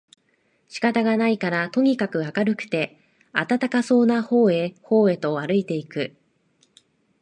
仕方がないからとにかく明るくて暖かそうな方へ方へとあるいて行く